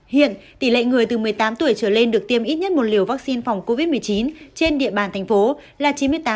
hiện tỷ lệ người từ một mươi tám tuổi trở lên được tiêm ít nhất một liều vaccine phòng covid một mươi chín trên địa bàn thành phố là chín mươi tám